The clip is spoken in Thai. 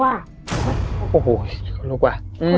โอ้โหลุกว่ะ